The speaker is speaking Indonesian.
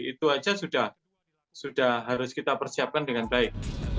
itu saja sudah harus kita persiapkan dengan baik